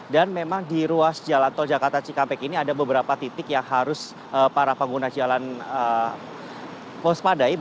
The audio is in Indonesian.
dan memang di ruas jalan tol jakarta cikangpek ini ada beberapa titik yang harus para pengguna jalan pos padai